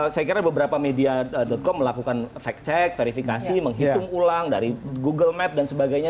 saya kira beberapa media com melakukan fact check verifikasi menghitung ulang dari google map dan sebagainya